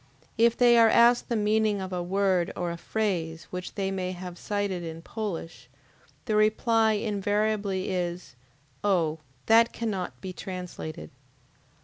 If they are asked the meaning of a word or a phrase which they may have cited in Polish, the reply invariably is: "Oh, that cannot be translated!"